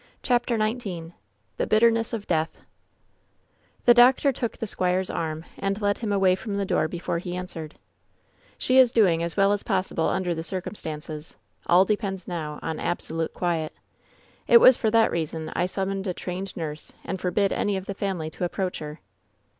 CHAPTEE XIX THE BITTESNESS OF DEATH The doctor took the squire's arm and led him away from the door before he answered: "She is doing as well as possible under the circum stances. All depends now on absolute quiet. It was for that reason I summoned a trained nurse and forbid any of the family to approach her."